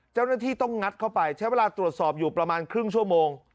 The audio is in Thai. เจ้าหน้าที่ต้องงัดเข้าไปใช้เวลาตรวจสอบอยู่ประมาณครึ่งชั่วโมง